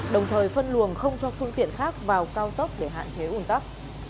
đồng thời phân luồng không cho phương tiện khác vào cao tốc để hạn chế ủn tắc